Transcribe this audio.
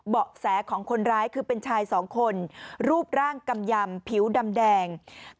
เบาะแสของคนร้ายคือเป็นชายสองคน